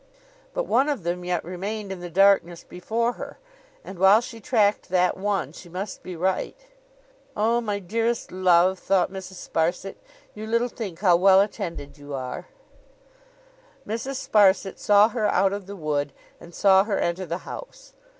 But one of them yet remained in the darkness before her; and while she tracked that one she must be right. 'Oh, my dearest love,' thought Mrs. Sparsit, 'you little think how well attended you are!' Mrs. Sparsit saw her out of the wood, and saw her enter the house.